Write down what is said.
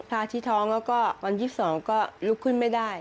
ที่ท้องแล้วก็วันที่๒๒ก็ลุกขึ้นไม่ได้